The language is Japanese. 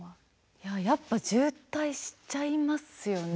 いややっぱ渋滞しちゃいますよね。